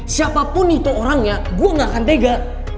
siapapun itu orangnya gue gak akan tega